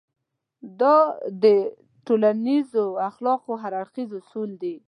دا د ټولنيزو اخلاقو هر اړخيز اصول دی.